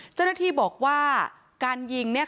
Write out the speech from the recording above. เจ้าหน้าที่บอกว่าการยิง